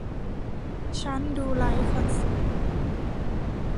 ฉันดูไลฟ์คอนเสิร์ต